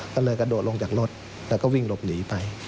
ก็เลยกระโดดลงจากรถแล้วก็วิ่งหลบหนีไป